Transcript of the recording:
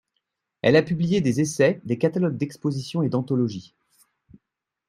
Elle a publié des essais, des catalogues d'expositions et d'anthologies.